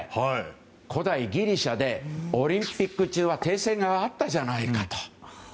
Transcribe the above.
古代ギリシャでオリンピック中は停戦があったじゃないかと。